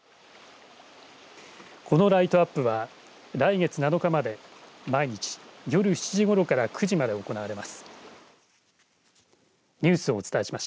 このライトアップは来月７日まで毎日夜７時ごろから９時まで行われます。